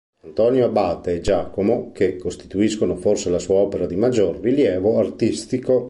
Antonio Abate e Giacomo", che costituiscono forse la sua opera di maggior rilievo artistico.